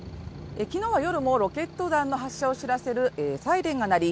駅は夜もロケット弾の発射を知らせるサイレンが鳴り